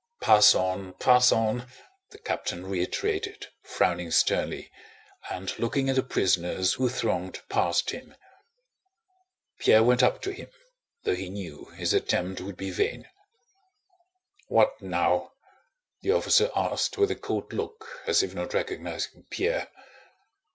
"Pass on, pass on!" the captain reiterated, frowning sternly, and looking at the prisoners who thronged past him. Pierre went up to him, though he knew his attempt would be vain. "What now?" the officer asked with a cold look as if not recognizing Pierre.